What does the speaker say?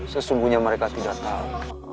sesungguhnya mereka tidak tahu